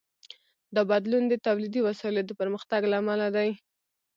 دا بدلون د تولیدي وسایلو د پرمختګ له امله دی.